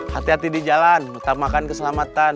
hati hati di jalan tetap makan keselamatan